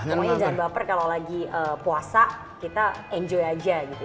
pokoknya jangan baper kalau lagi puasa kita enjoy aja gitu